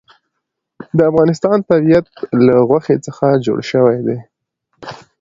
د افغانستان طبیعت له غوښې څخه جوړ شوی دی.